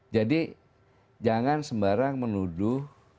jadi jangan sembarang menuduh